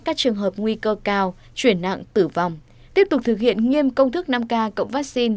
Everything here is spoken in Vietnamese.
các trường hợp nguy cơ cao chuyển nặng tử vong tiếp tục thực hiện nghiêm công thức năm k cộng vaccine